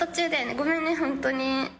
ごめんね、本当に。